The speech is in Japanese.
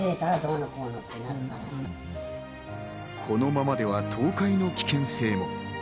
このままでは倒壊の危険性も。